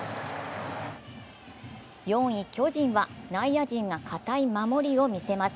４位、巨人は内野陣が堅い守りを見せます。